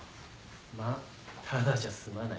・まあただじゃ済まないな。